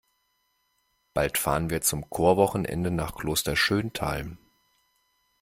Bald fahren wir zum Chorwochenende nach Kloster Schöntal.